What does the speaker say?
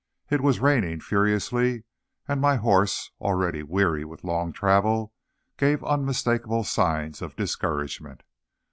It was raining furiously, and my horse, already weary with long travel, gave unmistakable signs of discouragement.